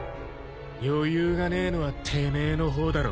余裕がねえのはてめえの方だろ。